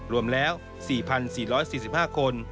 รวมแล้วสี่พันสี่ร้อยสิบห้าคน